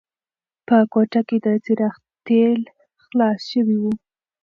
په کوټه کې د څراغ تېل خلاص شوي وو.